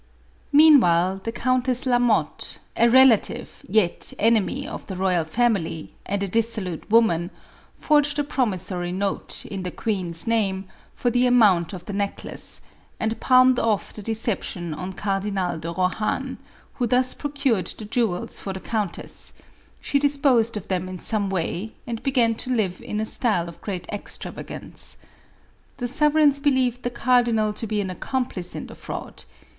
Meanwhile the Countess Lamotte, a relative, yet ene my of the royal family, and a dissolute woman, forged a promissory note, in the queen's name, for the amount of the necklace, and palmed off the deception on Car dinal de Rohan, who thus procured the jewels for the countess ; she disposed of them in some way, and be gan to live in a style of great extravagance. The sov ereigns believed the cardinal to be an accomplice in the fraud.